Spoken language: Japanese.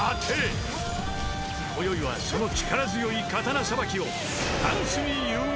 ［こよいはその力強い刀さばきをダンスに融合］